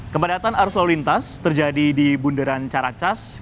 kepadatan arus lalu lintas terjadi di bundaran caracas